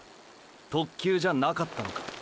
“特急”じゃなかったのか。